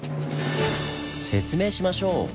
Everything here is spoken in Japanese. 説明しましょう！